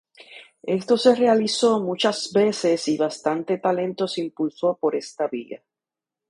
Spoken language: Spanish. Esto se realizó muchas veces y bastante talento se impulso por esta vía.